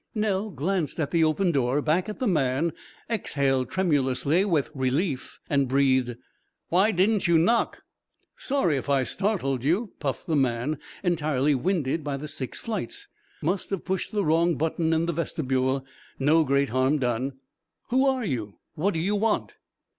Nell glanced at the open door, back at the man, exhaled tremulously with relief, and breathed: "Why didn't you knock?" "Sorry if I startled you," puffed the man, entirely winded by the six flights. "Must have pushed the wrong button in the vestibule. No great harm done." "Who are you? What you want?"